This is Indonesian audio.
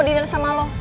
gue mau diner sama lo